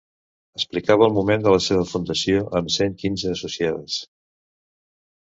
Explicava al moment de la seva fundació amb cent quinze associades.